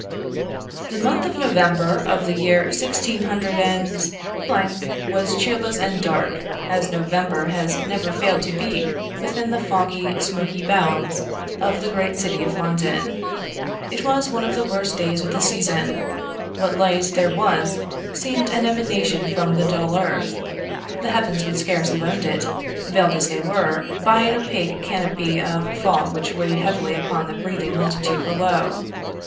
] The month of November of the year sixteen hundred and was cheerless and dark, as November has never failed to be within the foggy, smoky bounds of the great city of London. It was one of the worst days of the season; what light there was seemed an emanation from the dull earth, the heavens would scarce have owned it, veiled as they were, by an opaque canopy of fog which weighed heavily upon the breathing multitude below.